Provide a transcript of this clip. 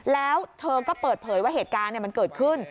แล้วเธอก็เปิดเผยว่าเหตุการณ์มันเกิดขึ้น